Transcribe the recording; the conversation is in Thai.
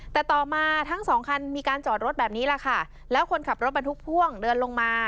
แต่ต่อมาทั้งสองคันมีการจอดรถแบบนี้แหละค่ะแล้วคนขับรถบรรทุกพ่วงเดินลงมา